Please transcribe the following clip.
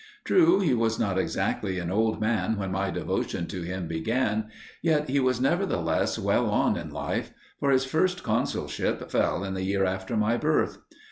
True, he was not exactly an old man when my devotion to him began, yet he was nevertheless well on in life; for his first consulship fell in the year after my birth.